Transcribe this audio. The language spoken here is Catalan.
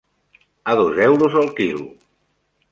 A dos euros el quilo.